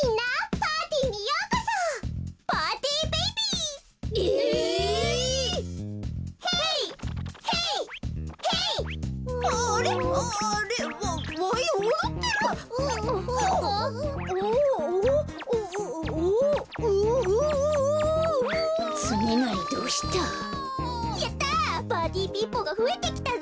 パーティーピーポーがふえてきたぞ！